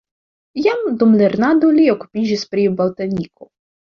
Jam dum lernado li okupiĝis pri botaniko.